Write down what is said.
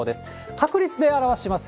確率で表します。